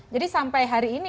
jadi sampai hari ini